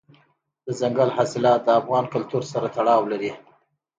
دځنګل حاصلات د افغان کلتور سره تړاو لري.